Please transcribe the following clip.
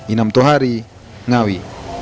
inam tohari ngawi